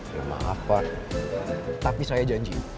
ya maaf pak tapi saya janji